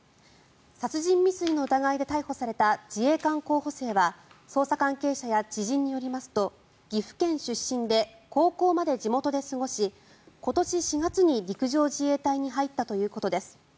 殺人未遂の疑いで逮捕された自衛官候補生は捜査関係者や知人によりますと岐阜県出身で高校まで地元で過ごし今年４月に陸上自衛隊に入ったということです。